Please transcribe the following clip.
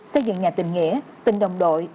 xây dựng nhà tình nghĩa tình đồng đội